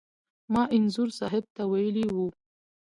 ما انځور صاحب ته ویلي و.